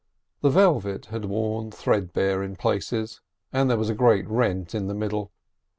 The velvet had worn threadbare in places, and there was a great rent in the middle.